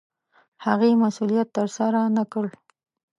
هغسې مسوولت ترسره نه کړ.